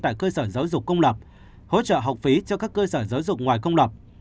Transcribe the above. tại cơ sở giáo dục công lập hỗ trợ học phí cho các cơ sở giáo dục ngoài công lập